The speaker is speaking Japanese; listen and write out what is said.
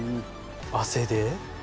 汗で？